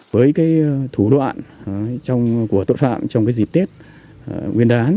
với cái thủ đoạn của tội phạm trong cái dịp tiết nguyên đoán